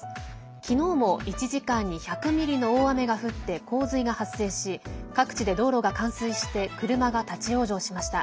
昨日も１時間に１００ミリの大雨が降って洪水が発生し各地で道路が冠水して車が立往生しました。